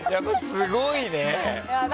すごいね。